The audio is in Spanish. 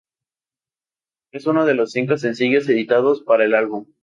Es uno de los cinco sencillos editados para el álbum.